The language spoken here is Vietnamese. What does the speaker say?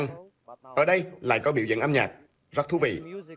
nhưng ở đây lại có biểu diễn âm nhạc rất thú vị